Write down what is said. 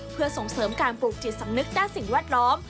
เพื่อส่งเสริมการปลูกจิตสำนึกด้านสิ่งแวดล้อม